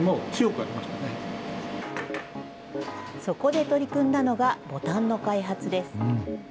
そこで取り組んだのが、ボタンの開発です。